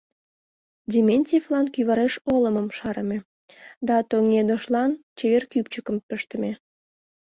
Дементьевлан кӱвареш олымым шарыме да тоҥедышлан чевер кӱпчыкым пыштыме.